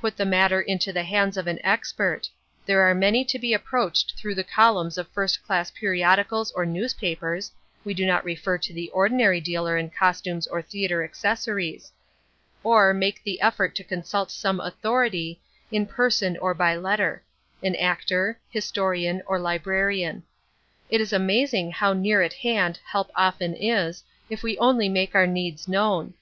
Put the matter into the hands of an expert; there are many to be approached through the columns of first class periodicals or newspapers (we do not refer to the ordinary dealer in costumes or theatre accessories); or make the effort to consult some authority, in person or by letter: an actor, historian or librarian. It is amazing how near at hand help often is, if we only make our needs known.